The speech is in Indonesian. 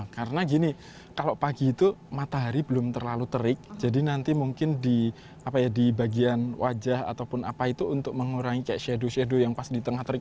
karena gini kalau pagi itu matahari belum terlalu terik jadi nanti mungkin di bagian wajah ataupun apa itu untuk mengurangi kayak shadow shadow yang pas di tengah terik